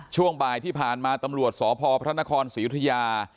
ช่วงบ่ายที่ผ่านมาตำรวจสพพระนครศรียุธยา